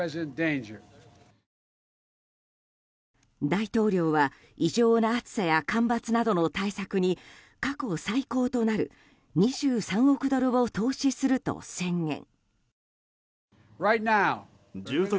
大統領は、異常な暑さや干ばつなどの対策に過去最高となる２３億ドルを投資すると宣言。